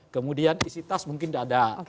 kemudian isi tas mungkin tidak ada